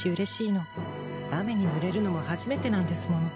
雨にぬれるのは初めてなんですもの。